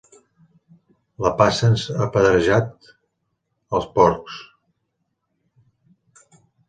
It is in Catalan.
La passa ens ha pedrejat els porcs.